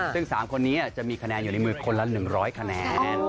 ซึ่ง๓คนนี้จะมีคะแนนอยู่ในมือคนละ๑๐๐คะแนน